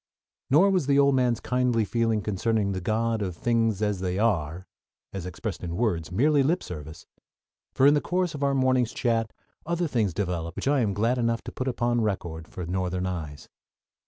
Nor was the old man's kindly feeling concerning the God of Things as They Are, as expressed in words, mere lip service; for in the course of our morning's chat other things developed which I am glad enough to put upon record for Northern eyes.